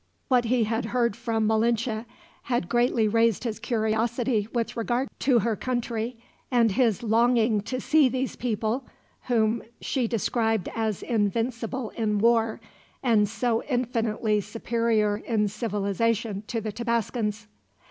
What he had heard from Malinche had greatly raised his curiosity with regard to her country, and his longing to see these people, whom she described as invincible in war, and so infinitely superior in civilization to the Tabascans.